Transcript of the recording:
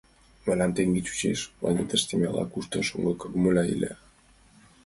— Мылам тыге чучеш: планетыштем ала-кушто шоҥго комаголя ила.